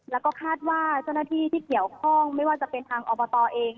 แล้วก็คาดว่าเจ้าหน้าที่ที่เกี่ยวข้องไม่ว่าจะเป็นทางอบตเอง